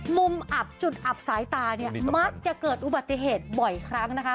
อับจุดอับสายตาเนี่ยมักจะเกิดอุบัติเหตุบ่อยครั้งนะคะ